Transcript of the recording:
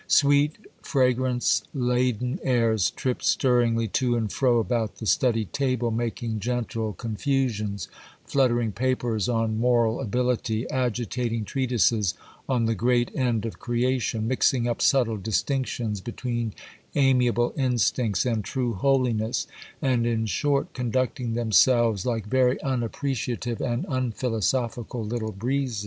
Sweet, fragrance laden airs tripped stirringly to and fro about the study table, making gentle confusions, fluttering papers on moral ability, agitating treatises on the great end of creation, mixing up subtile distinctions between amiable instincts and true holiness, and, in short, conducting themselves like very unappreciative and unphilosophical little breezes.